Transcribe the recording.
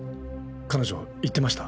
彼女言ってました？